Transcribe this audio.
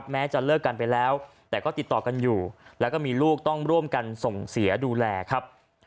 แม้จะเลิกกันไปแล้วแต่ก็ติดต่อกันอยู่แล้วก็มีลูกต้องร่วมกันส่งเสียดูแลครับ